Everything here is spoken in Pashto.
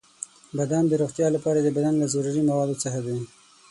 • بادام د روغتیا لپاره د بدن له ضروري موادو څخه دی.